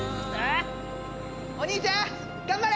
お兄ちゃん頑張れ！